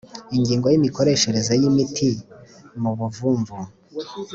ingingo ya imikoreshereze y imiti mu buvumvu